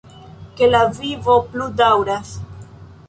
Ke la vivo plu daŭras!